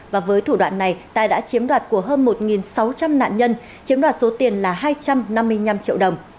và với thủ đoạn này tài đã chiếm đoạt của hơn một sáu trăm linh nạn nhân chiếm đoạt số tiền là hai trăm năm mươi năm triệu đồng